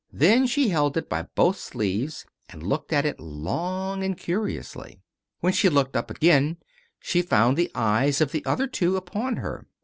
Then she held it by both sleeves and looked at it long, and curiously. When she looked up again she found the eyes of the other two upon her.